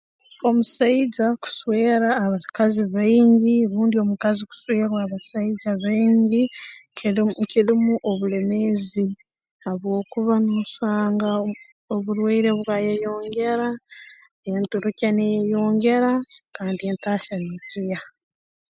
Omusaija kuswera abakazi baingi rundi abasaija baingi rundi omukazi kuswerwa abasaija baingi kilumu kirumu obulemeezi habwokuba noosanga oburwaire bwayeyongera enturukya neeyeyongera kandi entaahya neekeeha